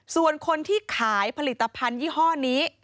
ส่วนคนที่ขายผลิตภัณฑ์ยี่ห้อนี้